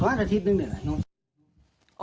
ประมาณอาทิตย์นึงเนี่ย